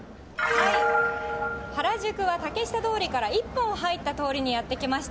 原宿は竹下通りから一本入った通りにやって来ました。